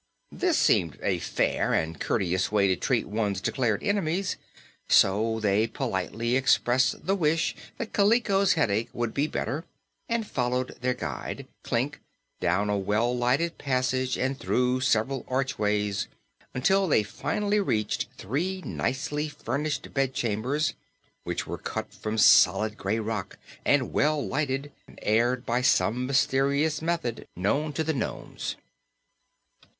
This seemed a fair and courteous way to treat one's declared enemies, so they politely expressed the wish that Kaliko's headache would be better, and followed their guide, Klik, down a well lighted passage and through several archways until they finally reached three nicely furnished bedchambers which were cut from solid gray rock and well lighted and aired by some mysterious method known to the nomes.